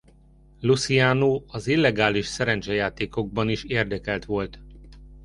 Luciano az illegális szerencsejátékokban is érdekelt volt.